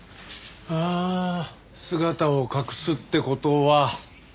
ああ姿を隠すって事は。